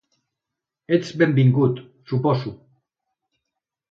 Ets benvingut, suposo.